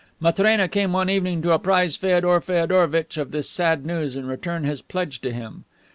Matrena came one evening to apprise Feodor Feodorovitch of this sad news and return his pledge to him.